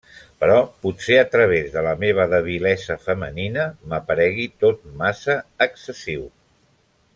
Però potser a través de la meva debilesa femenina m'aparegui tot massa excessiu…